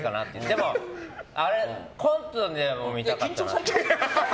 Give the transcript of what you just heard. でも、コントで見たかったな。